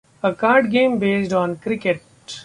A card game based on cricket.